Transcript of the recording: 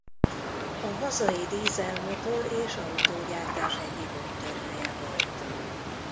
A hazai Diesel-motor és autógyártás egyik úttörője volt.